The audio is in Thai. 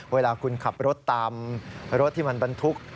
เวลาคุณขับรถตามรถที่มันบรรทุก